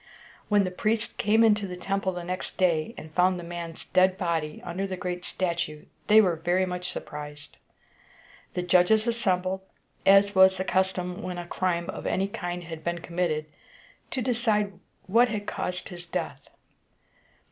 When the priests came into the temple the next day, and found the man's dead body under the great statue, they were very much surprised. The judges assembled, as was the custom when a crime of any kind had been committed, to decide what had caused his death.